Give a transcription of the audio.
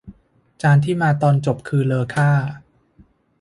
จานที่มาตอนจบคือเลอค่า